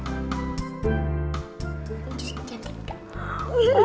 udah bukan cantik lagi tapi cuu